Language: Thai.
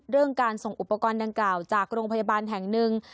เรื่องการส่งอุปกรณ์ดังกล่าวจากโรงพยาบาลแห่งหนึ่ง